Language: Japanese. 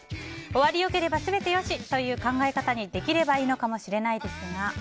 終わり良ければ全て良しという考え方にできればいいのかもしれないですが。